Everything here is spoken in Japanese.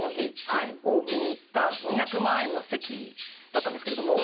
はい。を見に行った２００万円の席だったんですけれども。